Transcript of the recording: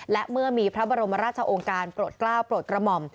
และเมื่อมีพระบรมราชองค์การโปรดกล้าวโปรดกระหม่อม